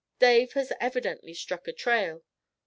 Dave has evidently 'struck a trail.'